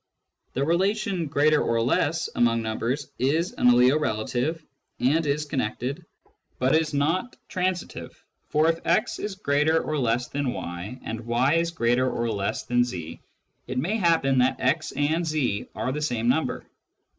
The relation " greater or less " among numbers is an alio relative and is connected, but is not transitive, for if x is greater or less than y, and y is greater or less than z, it may happen that x and z are the same number.